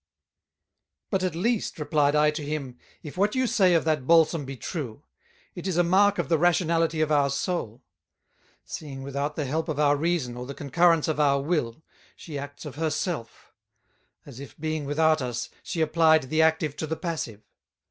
"But at least," replied I to him, "if what you say of that Balsam be true, it is a mark of the Rationality of our Soul; seeing without the help of our Reason, or the Concurrence of our Will, she Acts of her self; as if being without us, she applied the Active to the Passive.